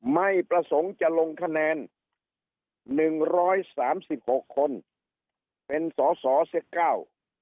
ไม่ประสงค์จะลงคะแนนหนึ่งร้อยสามสิบหกคนเป็นสอสอเสียเก้า